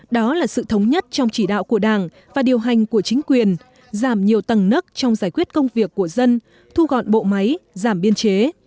đó là sự thống nhất trong chỉ đạo của đảng và điều hành của chính quyền giảm nhiều tầng nức trong giải quyết công việc của dân thu gọn bộ máy giảm biên chế